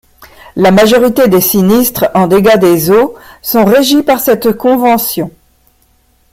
La majorité des sinistres en dégâts des eaux sont régis par cette Convention.